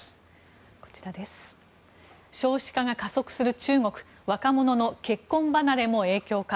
少子化が加速する中国若者の結婚離れも影響か。